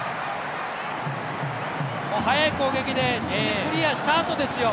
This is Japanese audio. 速い攻撃で、自分でクリアしたあとですよ。